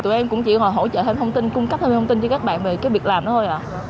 tụi em cũng chỉ hỏi hỗ trợ thêm thông tin cung cấp thêm thông tin cho các bạn về cái việc làm đó thôi ạ